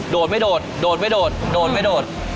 ดไม่โดดโดดไม่โดดโดดไม่โดด